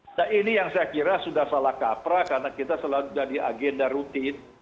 nah ini yang saya kira sudah salah kaprah karena kita selalu jadi agenda rutin